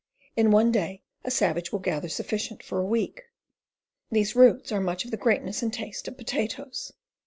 In one day a Salvage will gather sufficient for a week. These roots are much of the greatnesse and taste of Potatoes.